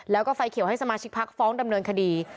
แล้วก็ไฟเขียวให้สมาชิกพักฟ้องดำเนินคดี